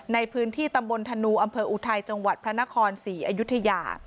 ในพื้นที่ตำบลธนูอำเภออุทัยจังหวัดพระนครศรีอยุธยา